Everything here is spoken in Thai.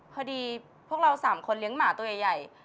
พวกเรา๓คนเลี้ยงหมาตัวใหญ่